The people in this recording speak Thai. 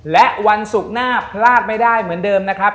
และวันศุกร์หน้าพลาดไม่ได้เหมือนเดิมนะครับ